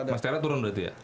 mas tera turun berarti ya